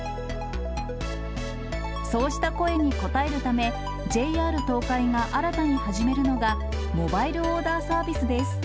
そうした声に応えるため、ＪＲ東海が新たに始めるのがモバイルオーダーサービスです。